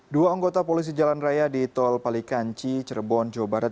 dua anggota polisi jalan raya di tol palikanci cirebon jawa barat